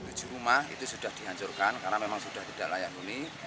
haji rumah itu sudah dihancurkan karena memang sudah tidak layan bumi